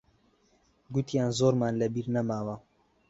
گوتیان زۆرمان لەبیر نەماوە.